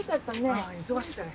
あぁ忙しくてね。